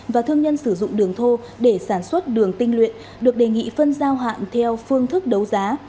và thương nhân sử dụng đường thô để sản xuất đường tinh luyện được đề nghị phân giao hạn theo phương thức đấu giá